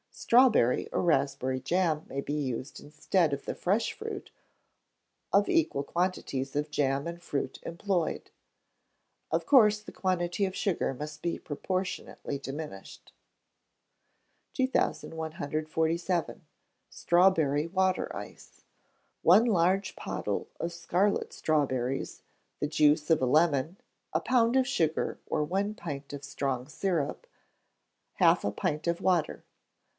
Strawberry or raspberry jam may be used instead of the fresh fruit, or equal quantities of jam and fruit employed. Of course the quantity of sugar must be proportionately diminished. 2147. Strawberry Water Ice. One large pottle of scarlet strawberries, the juice of a lemon, a pound of sugar, or one pint of strong syrup, half a pint of water.